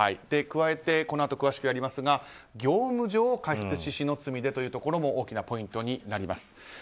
加えてこのあと詳しくやりますが業務上過失致死の罪でというところも大きなポイントになります。